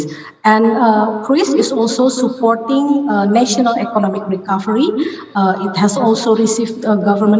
dan kriz juga mendukung penyelamat ekonomi nasional juga diperoleh dukungan pemerintah